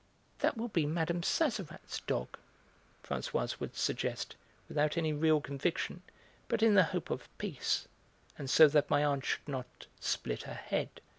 "That will be Mme. Sazerat's dog," Françoise would suggest, without any real conviction, but in the hope of peace, and so that my aunt should not 'split her head.'